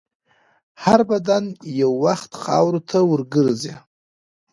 هر بدن یو وخت خاورو ته ورګرځي.